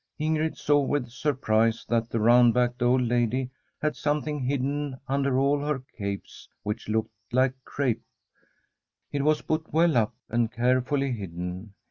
Ingrid saw with surprise that the round backed old lady had something hidden under all her capes which looked like crape; it was put well up and carefully hidden.